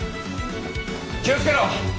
気をつけろ！